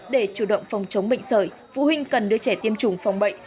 để chủ động phòng chống bệnh sởi phụ huynh cần đưa trẻ tiêm chủng phòng bệnh